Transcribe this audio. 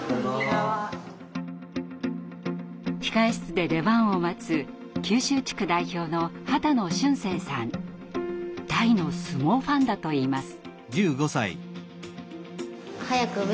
控え室で出番を待つ九州地区代表の大の相撲ファンだといいます。